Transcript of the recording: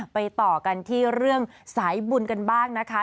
ต่อกันที่เรื่องสายบุญกันบ้างนะคะ